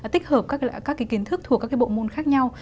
tích hợp các cái kiến thức thuộc các cái bộ môn khác nhau